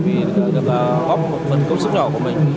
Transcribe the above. vì góp một phần công sức nhỏ của mình